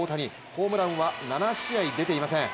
ホームランは７試合出ていません。